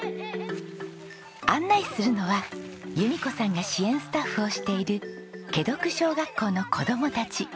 案内するのは裕美子さんが支援スタッフをしている花徳小学校の子供たち。